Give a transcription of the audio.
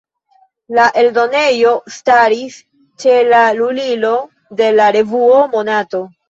La eldonejo staris ĉe la lulilo de la revuo "Monato".